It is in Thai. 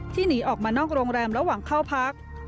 หนีออกมานอกโรงแรมระหว่างเข้าพัก